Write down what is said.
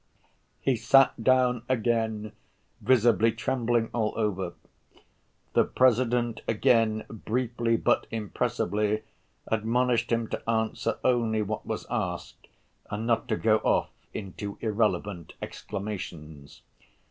He sat down again, visibly trembling all over. The President again briefly, but impressively, admonished him to answer only what was asked, and not to go off into irrelevant exclamations.